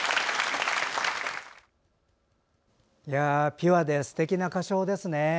ピュアですてきな歌唱ですね。